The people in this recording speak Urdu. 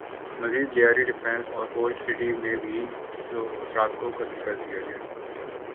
مزید لیاری ڈیفنس اور اولڈ سٹی ایریا میں بھی افراد کو قتل کر دیا گیا